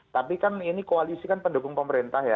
tapi kan ini koalisi kan pendukung pemerintah ya